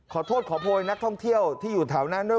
ขอโทษขอโพยนักท่องเที่ยวที่อยู่แถวนั้นด้วย